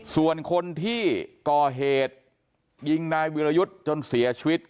ส่วนคนที่ก่อเหตุยิงนายวิรยุทธ์จนเสียชีวิต